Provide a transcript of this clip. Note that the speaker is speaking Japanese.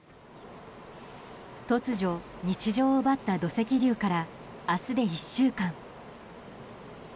突如、日常を奪った土石流から明日で１週間。